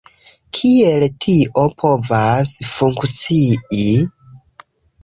Kiel tio povas funkcii??